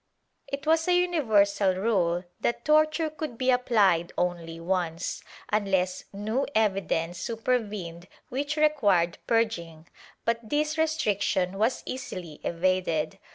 It was a universal rule that torture could be applied only once, unless new evidence supervened which required purging, but this restriction was easily evaded.